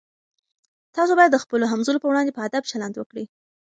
تاسي باید د خپلو همزولو په وړاندې په ادب چلند وکړئ.